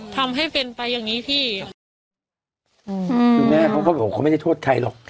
ทำให้เป็นไปอย่างงี้พี่อืมคุณแม่เขาก็บอกเขาไม่ได้โทษใครหรอก